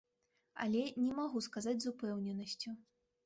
Але не магу казаць з упэўненасцю.